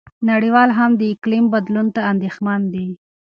نړیوال هم د اقلیم بدلون ته اندېښمن دي.